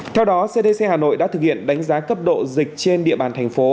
theo đó cdc hà nội đã thực hiện đánh giá cấp độ dịch trên địa bàn thành phố